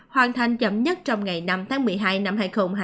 hoàn thành chậm nhất trong ngày năm tháng một mươi hai năm hai nghìn hai mươi